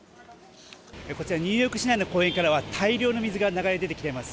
ニューヨーク市内の公園からは大量の水が流れ出てきてます。